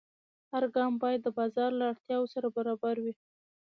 هر ګام باید د بازار له اړتیا سره برابر وي.